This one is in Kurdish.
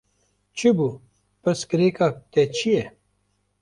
Çi bû, pirsgirêka te çi ye?